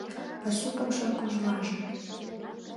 Пасу покшел кожлаже